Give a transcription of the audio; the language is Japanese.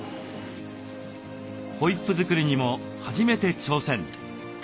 ホイップ作りにも初めて挑戦！